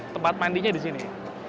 tempat mandinya di sini